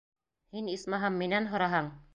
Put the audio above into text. Һин, исмаһам, минән һораһаң...